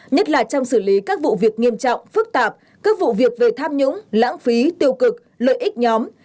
nhất là trong xử lý các vụ việc nghiêm trọng phức tạp các vụ việc về tham nhũng lãng phí tiêu cực lợi ích nhóm